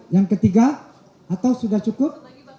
yang ketiga atau sudah cukup